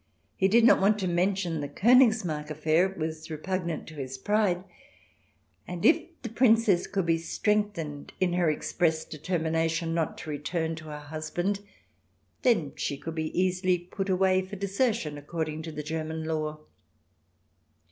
He did not want to mention the KOnigsmarck affair, it was repugnant to his pride, and if the Princess could be strengthened in her expressed determination not to return to her husband, she could then be easily put away for desertion, according to the German law.